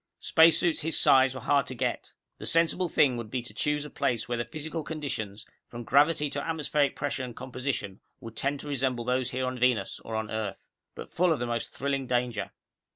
Spacesuits his size were hard to get. The sensible thing would be to choose a place where the physical conditions, from gravity to atmospheric pressure and composition would tend to resemble those here on Venus or on Earth. But full of the most thrilling danger.